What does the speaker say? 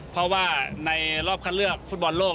เพราะว่าในรอบคัดเลือกฟุตบอลโลก